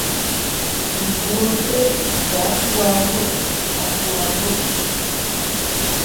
Yi gwotɨ kɨ atu a wul a atu a wul.